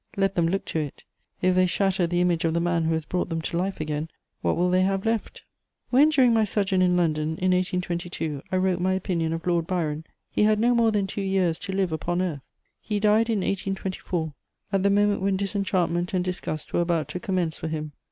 Let them look to it: if they shatter the image of the man who has brought them to life again, what will they have left? * When, during my sojourn in London, in 1822, I wrote my opinion of Lord Byron, he had no more than two years to live upon earth: he died in 1824, at the moment when disenchantment and disgust were about to commence for him.